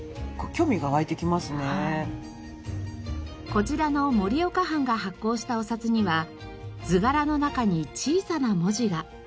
こちらの盛岡藩が発行したお札には図柄の中に小さな文字が。